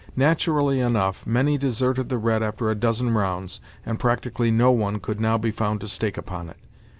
Naturally enough, many deserted the red after a dozen rounds, and practically no one could now be found to stake upon it.